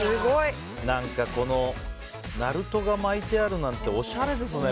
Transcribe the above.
このナルトが巻いてあるなんておしゃれですね。